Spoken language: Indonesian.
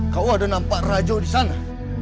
kau ada nampak rajo di sana